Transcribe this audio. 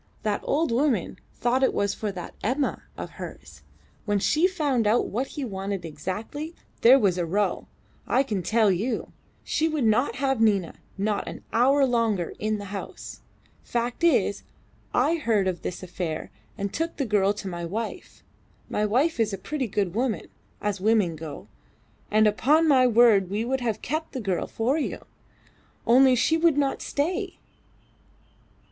That old woman thought it was for that Emma of hers. When she found out what he wanted exactly, there was a row, I can tell you. She would not have Nina not an hour longer in the house. Fact is, I heard of this affair and took the girl to my wife. My wife is a pretty good woman as women go and upon my word we would have kept the girl for you, only she would not stay.